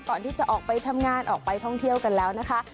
ก่อนที่จะออกไปทำงานออกไปท่องเที่ยวกันแล้วนะคะ